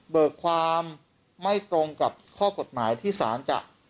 ความไม่ตรงกับข้อกฎหมายที่สารจะ